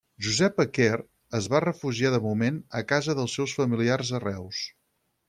Josepa Quer es va refugiar de moment a casa dels seus familiars a Reus.